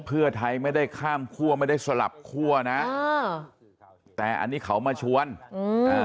เพื่อไทยไม่ได้ข้ามคั่วไม่ได้สลับคั่วนะอ่าแต่อันนี้เขามาชวนอืมอ่า